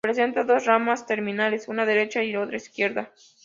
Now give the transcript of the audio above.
Presenta dos ramas terminales, una derecha y otra izquierda.